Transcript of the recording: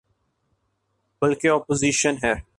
بلکہ اپوزیشن ہے۔